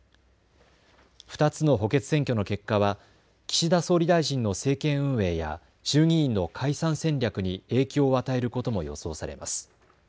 ２つの補欠選挙の結果は岸田総理大臣の政権運営や衆議院の解散戦略に影響を与えることも予想されます。